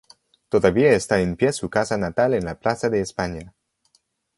Todavía está en pie su casa natal en la Plaza de España.